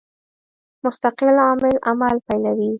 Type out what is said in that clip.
مستقل عامل عمل پیلوي.